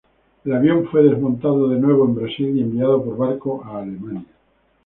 El avión fue desmontado de Nuevo en Brasil y enviado por barco a Alemania.